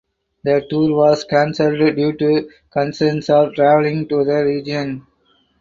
The tour was cancelled due to concerns of travelling to the region.